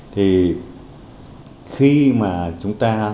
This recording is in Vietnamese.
thì khi mà chúng ta